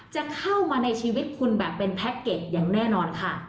จะเข้ามาในชีวิตคุณแบบเป็นแพ็คเกจอย่างแน่นอนค่ะ